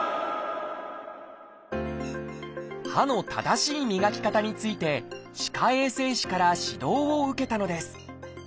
歯の正しい磨き方について歯科衛生士から指導を受けたのです。